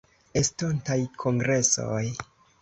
Estontaj Kongresoj.